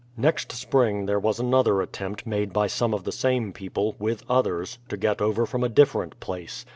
Next spring there was another attempt made by some of the same people, with others, to get over from a diflferent place.